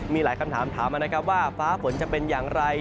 มีหลายคำถามถามมานะครับว่าฟ้าฝนจะเป็นอย่างไร